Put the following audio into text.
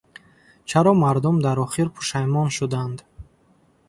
Чаро мардум дар охир пушаймон шуданд?